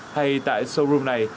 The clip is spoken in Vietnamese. hay tại showroom này